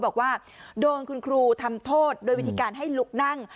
บอกว่าโดนคุณครูทำโทษโดยวิธีการให้ลุกนั่ง